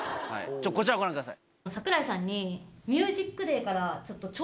こちらをご覧ください。